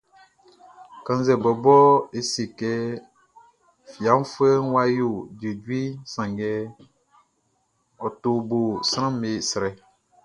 Kannzɛ bɔbɔ e se kɛ fiafuɛʼn wʼa yo juejueʼn, sanngɛ ɔ te bo sranʼm be srɛ.